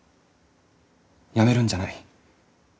やめるんじゃない。